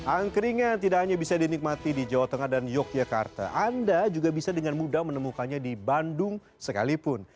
angkringan tidak hanya bisa dinikmati di jawa tengah dan yogyakarta anda juga bisa dengan mudah menemukannya di bandung sekalipun